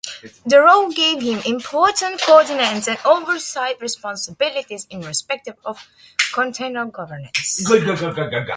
The role gave him important coordination and oversight responsibilities in respect of cantonal governance.